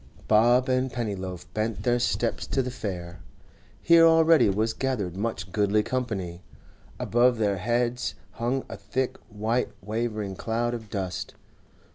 Bob and Pennyloaf bent their steps to the fair. Here already was gathered much goodly company; above their heads hung a thick white wavering cloud of dust.